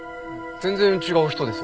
全然違う人です。